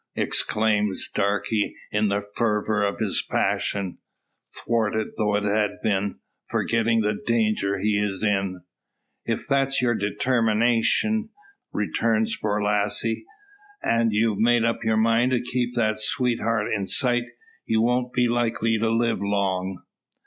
exclaims Darke, in the fervour of his passion thwarted though it has been forgetting the danger he is in. "If that's your detarmination," returns Borlasse, "an' you've made up your mind to keep that sweetheart in sight, you won't be likely to live long.